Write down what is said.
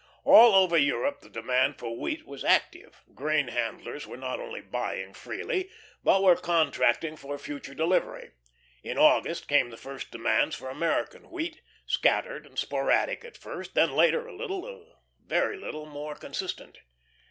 All over Europe the demand for wheat was active. Grain handlers were not only buying freely, but were contracting for future delivery. In August came the first demands for American wheat, scattered and sporadic at first, then later, a little, a very little more insistent.